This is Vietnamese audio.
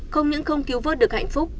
không những không cứu vớt được hạnh phúc